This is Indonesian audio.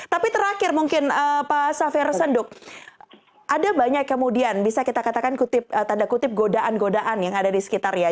tapi terakhir mungkin pak safir senduk ada banyak kemudian bisa kita katakan tanda kutip godaan godaan yang ada di sekitarnya